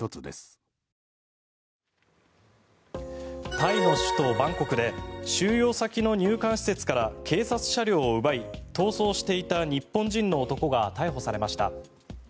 タイの首都バンコクで収容先の入管施設から警察車両を奪い、逃走していた日本人の男が逮捕されました。